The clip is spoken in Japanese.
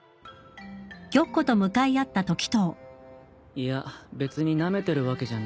いや別になめてるわけじゃないよ。